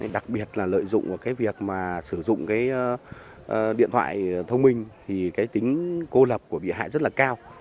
đặc biệt là lợi dụng vào cái việc mà sử dụng cái điện thoại thông minh thì cái tính cô lập của bị hại rất là cao